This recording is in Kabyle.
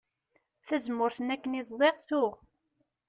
Tazemmurt-nni akken i ẓẓiɣ tuɣ.